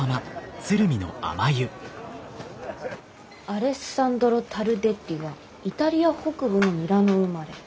アレッサンドロ・タルデッリはイタリア北部のミラノ生まれ。